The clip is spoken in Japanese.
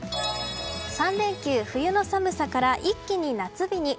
３連休冬の寒さから一気に夏日に。